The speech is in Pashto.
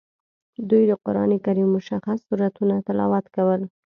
دوی د قران کریم مشخص سورتونه تلاوت کول.